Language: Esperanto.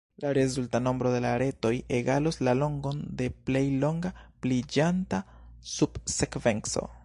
La rezulta nombro de la aretoj egalos la longon de plej longa pliiĝanta subsekvenco.